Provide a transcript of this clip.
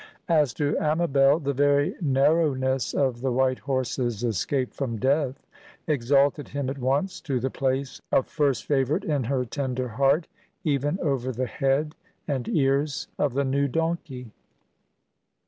As to Amabel the very narrowness of the white horse's escape from death exalted him at once to the place of first favorite in her tender heart, even over the head (and ears) of the new donkey.